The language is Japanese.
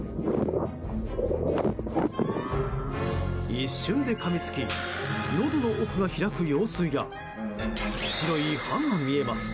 一瞬でかみつきのどの奥が開く様子や白い歯が見えます。